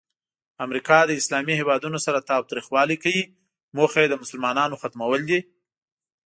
امریکا له اسلامي هیوادونو سره تاوتریخوالی کوي، موخه یې د مسلمانانو ختمول دي.